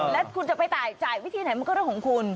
แล้วคุณจะไปจ่ายวิธีไหนมันก็เรื่องของคุณ